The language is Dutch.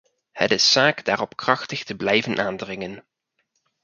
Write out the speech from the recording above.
Het is zaak daarop krachtig te blijven aandringen.